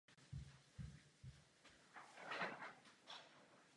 Dám vám příklad rumunské univerzity Sapientia.